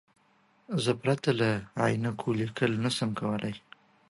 زه پرته له عینکو لیکل نشم کولای.